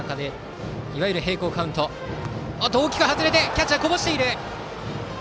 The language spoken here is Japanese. キャッチャーこぼしている。